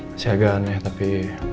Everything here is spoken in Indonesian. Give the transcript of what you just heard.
masih agak aneh tapi